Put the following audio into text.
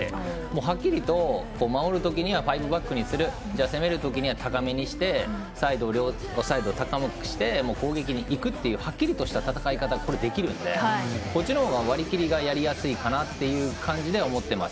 はっきり言うと、守るときにはファイブバックにする攻めるときには高めにしてサイドを高めにして攻撃にいくというはっきりとし戦い方ができるんでこっちのほうが割り切りがやりやすいかなと思ってます。